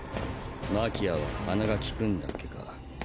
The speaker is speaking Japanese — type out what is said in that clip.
マキアは鼻が利くんだっけか。